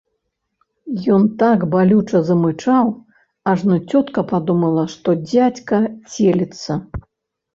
Ён так балюча замычаў, ажно цётка падумала, што дзядзька целіцца.